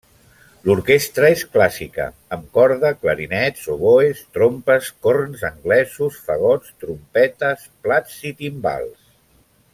L'orquestra és clàssica, amb corda, clarinets, oboès, trompes, corns anglesos, fagots, trompetes, plats i timbals.